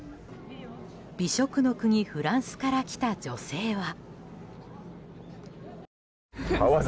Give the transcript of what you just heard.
美食の国、フランスから来た女性は。